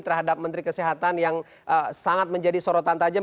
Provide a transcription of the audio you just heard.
terhadap menteri kesehatan yang sangat menjadi sorotan tajam